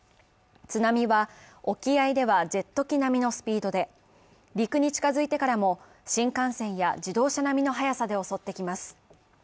津波は沖合ではジェット機並みのスピードで陸に近づいてからも、新幹線や自動車並みの速さで襲ってきます。